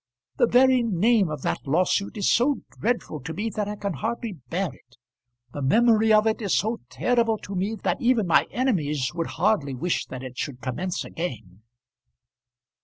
"The very name of that lawsuit is so dreadful to me that I can hardly bear it. The memory of it is so terrible to me, that even my enemies would hardly wish that it should commence again."